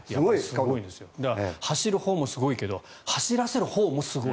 走るほうもすごいけど走らせるほうもすごい。